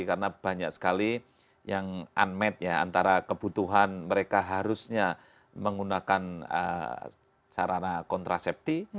karena banyak sekali yang unmet ya antara kebutuhan mereka harusnya menggunakan sarana kontrasepti